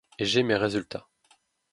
J’ai mes résultats.